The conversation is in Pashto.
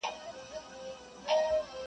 يوه مياشت وروسته هم خلک د هغې کيسه يادوي,